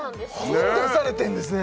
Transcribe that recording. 本出されてんですね